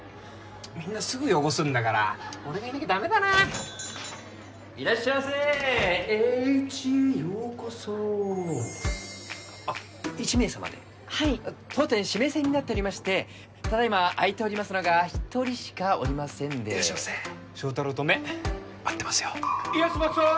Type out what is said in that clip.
みんなすぐ汚すんだから俺がいなきゃダメだないらっしゃいませエーイチへようこそあっ１名様ではい当店指名制になっておりましてただいま空いておりますのが一人しかおりませんでいらっしゃいませ祥太郎と目合ってますよいらっしゃいませ！